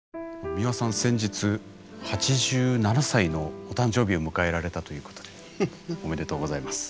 美輪さん先日８７歳のお誕生日を迎えられたということでおめでとうございます。